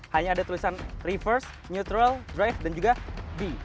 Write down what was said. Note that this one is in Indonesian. hanya ada tulisan reverse neutral drive dan juga b